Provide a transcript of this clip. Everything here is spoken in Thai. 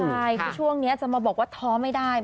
ใช่คือช่วงนี้จะมาบอกว่าท้อไม่ได้